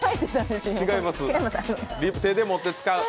違います。